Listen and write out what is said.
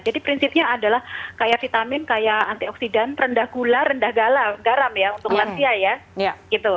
jadi prinsipnya adalah kaya vitamin kaya antioksidan rendah gula rendah garam ya untuk lansia ya